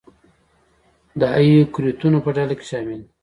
د ایوکریوتونو په ډله کې شامل دي.